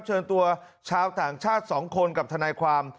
เชิญตัวชาวต่างชาติ๒คนกับทนายความ